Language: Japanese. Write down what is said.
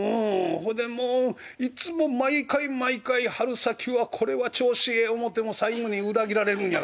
ほいでもういつも毎回毎回春先はこれは調子ええ思うても最後に裏切られるんやからねっ。